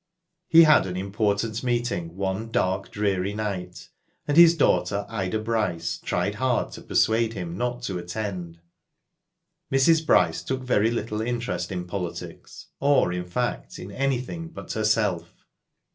He had an important meeting one dark, dreary night, and his daughter, Ida Bryce, tried hard to persuade him not to attend. Mrs. Bryce took very little interest in politics, or, in fact, in anything but herself.